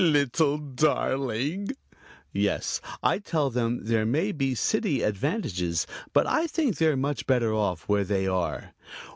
"Little darling." "Yes; I tell them there may be city advantages, but I think they're much better off where they are."